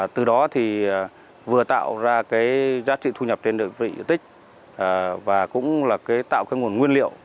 từ đó vừa tạo ra giá trị thu nhập trên đời vị tích và cũng tạo nguồn nguyên liệu